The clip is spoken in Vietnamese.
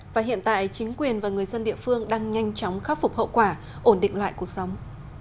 và hiện tại chính quyền và người dân địa phương đang nhanh chóng khắc phục hậu quả ổn định lại cuộc sống